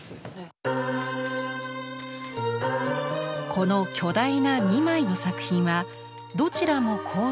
この巨大な２枚の作品はどちらも構図は同じ。